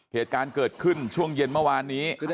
เหตุการณ์เกิดขึ้นช่วงเย็นเมื่อวานนี้